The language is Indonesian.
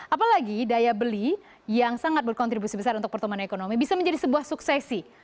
apalagi daya beli yang sangat berkontribusi besar untuk pertumbuhan ekonomi bisa menjadi sebuah suksesi